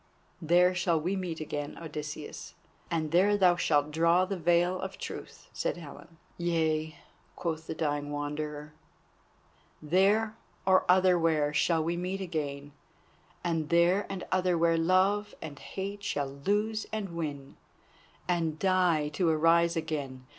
"There shall we meet again, Odysseus, and there thou shalt draw the Veil of Truth," said the Helen. "Yea," quoth the dying Wanderer; "there or otherwhere shall we meet again, and there and otherwhere love and hate shall lose and win, and die to arise again.